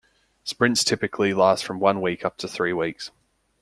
Sprints typically last from one week up to three weeks.